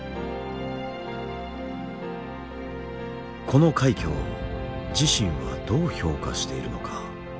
この快挙を自身はどう評価しているのか。